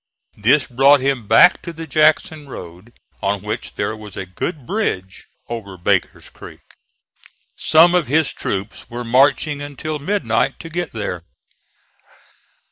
This brought him back to the Jackson road, on which there was a good bridge over Baker's Creek. Some of his troops were marching until midnight to get there.